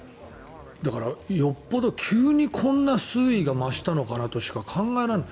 よほど急にこんな水位が増したのかなとしか考えられない。